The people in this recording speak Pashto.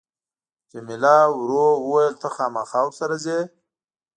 جميله ورو وویل ته خامخا ورسره ځې.